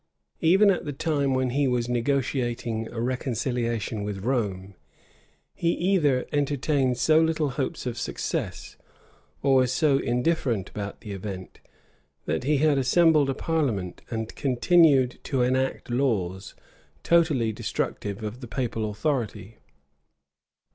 Even at the time when he was negotiating a reconciliation with Rome, he either entertained so little hopes of success, or was so indifferent about the event, that he had assembled a parliament, and continued to enact laws totally destructive of the papal authority.